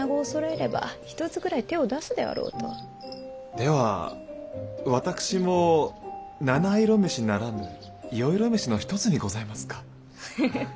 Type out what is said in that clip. では私も七色飯ならぬ四色飯の一つにございますか。